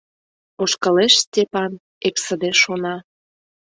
Ошкылеш Степан, эксыде шона.